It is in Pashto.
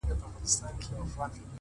راډيو؛